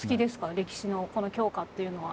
歴史のこの教科っていうのは。